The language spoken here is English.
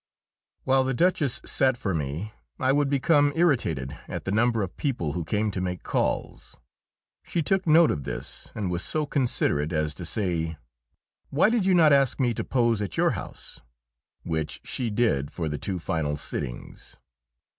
While the Duchess sat for me I would become irritated at the number of people who came to make calls. She took note of this and was so considerate as to say, "Why did you not ask me to pose at your house?" Which she did for the two final sittings.